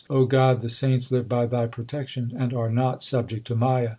O God, the saints live by Thy protection, and are not subject to Maya.